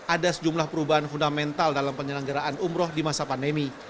ada sejumlah perubahan fundamental dalam penyelenggaraan umroh di masa pandemi